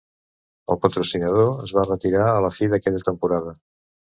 El patrocinador es va retirar a la fi d'aquella temporada.